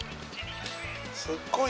すっごい